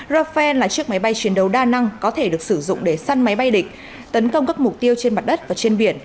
rafael là chiếc máy bay chiến đấu đa năng có thể được sử dụng để săn máy bay địch tấn công các mục tiêu trên mặt đất và trên biển